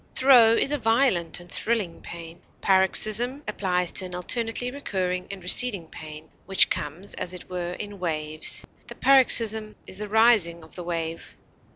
Throe is a violent and thrilling pain. Paroxysm applies to an alternately recurring and receding pain, which comes as it were in waves; the paroxysm is the rising of the wave.